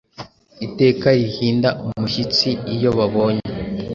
Iteka rihinda umushyitsi iyo babonye,